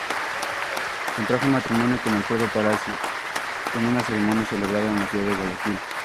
Contrajo matrimonio con Alfredo Palacio en una ceremonia celebrada en la ciudad de Guayaquil.